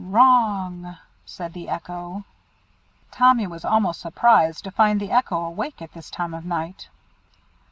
"Wrong!" said the Echo. Tommy was almost surprised to find the echo awake at this time of night.